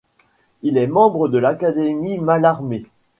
Il est membre de l'académie Mallarmé.